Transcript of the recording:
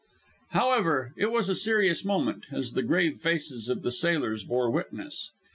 However, it was a serious moment, as the grave faces of the sailors bore witness.